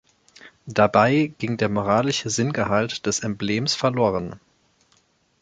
Dabei ging der moralische Sinngehalt des Emblems verloren.